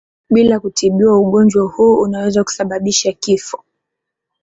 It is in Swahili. Bila kutibiwa ugonjwa huu unaweza kusababisha kifo.